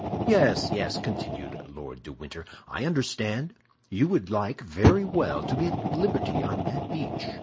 "Yes, yes," continued Lord de Winter, "I understand. You would like very well to be at liberty on that beach!